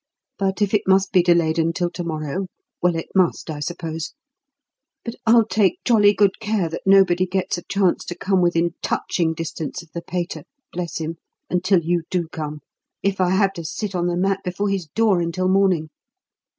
But if it must be delayed until to morrow well, it must, I suppose. But I'll take jolly good care that nobody gets a chance to come within touching distance of the pater bless him! until you do come, if I have to sit on the mat before his door until morning.